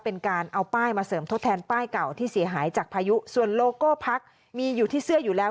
เป็นการเอาป้ายมาเสริมทดแทนป้ายเก่าที่เสียหายจากพายุส่วนโลโก้พักมีอยู่ที่เสื้ออยู่แล้ว